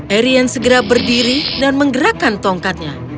erience segera berdiri dan menggerakkan tongkatnya